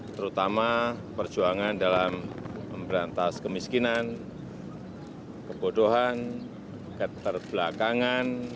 terutama perjuangan dalam memberantas kemiskinan kebodohan keterbelakangan